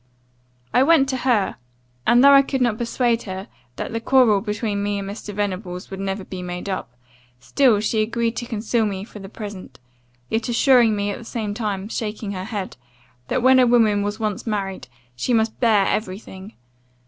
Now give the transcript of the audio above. "I went to her, and though I could not persuade her, that the quarrel between me and Mr. Venables would never be made up, still she agreed to conceal me for the present; yet assuring me at the same time, shaking her head, that, when a woman was once married, she must bear every thing.